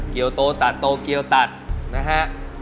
เกี่ยวโตตัดโตเกียวตัดนะฮะ